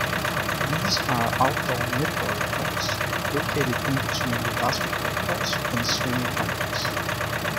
These are outdoor netball courts located in between the basketball courts and Swimming Complex.